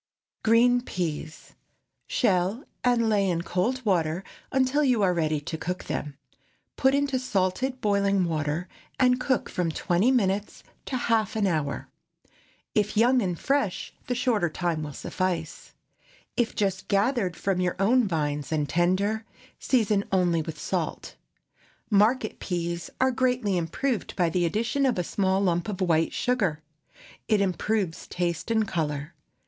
GREEN PEAS. Shell and lay in cold water until you are ready to cook them. Put into salted boiling water, and cook from twenty minutes to half an hour. If young and fresh, the shorter time will suffice. If just gathered from your own vines and tender, season only with salt. Market peas are greatly improved by the addition of a small lump of white sugar. It improves taste and color.